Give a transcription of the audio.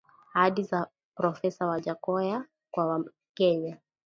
Ahadi za Profesa Wajackoya kwa wakenya